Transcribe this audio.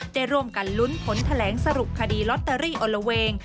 ได้ร่วมกันลุ้นผลแถลงสรุปคดีลอตเตอรี่อละเวง